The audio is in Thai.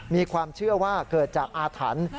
มีความเชื่อว่าเกิดจากอาถรรพ์